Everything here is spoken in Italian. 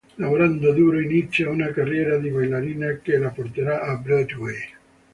Lavorando duro, inizia una carriera di ballerina che la porterà a Broadway.